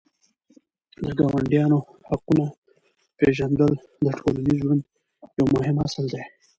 د ګاونډیانو حقونه پېژندل د ټولنیز ژوند یو مهم اصل دی.